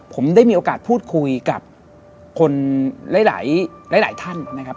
ผมได้มีโอกาสพูดคุยกับคนหลายท่านนะครับ